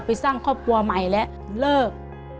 ไปสร้างครอบครัวใหม่และเลิก